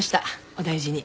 お大事に。